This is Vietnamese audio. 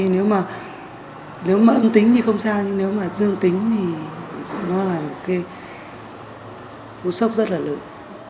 nếu mà âm tính thì không sao nhưng nếu mà dương tính thì nó là một cái phút sốc rất là lợi